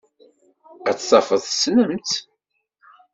Ad tafeḍ tessnem-tt.